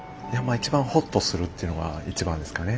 一番ほっとするっていうのが一番ですかね。